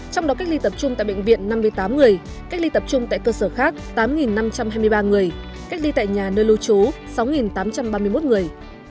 trong đó cách ly tập trung tại bệnh viện năm mươi tám người cách ly tập trung tại cơ sở khác tám năm trăm hai mươi ba người cách ly tại nhà nơi lưu trú sáu tám trăm ba mươi một người